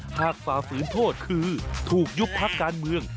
ภาคฟาฝืนโทษคือถูกยุคภาคการเมือง